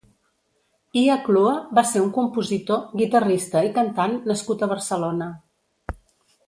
Ia Clua va ser un compositor, guitarrista i cantant nascut a Barcelona.